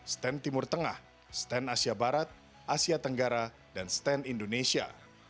stand timur tengah stand asia barat asia tenggara dan stand indonesia